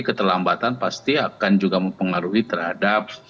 keterlambatan pasti akan juga mempengaruhi terhadap